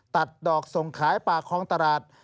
ตัดดอกส่งขายป่าคลองตลาด